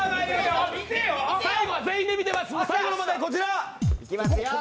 最後は全員で見てます。